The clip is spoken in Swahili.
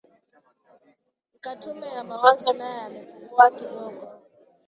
ika tume ya mawazo nae amepungua kidogo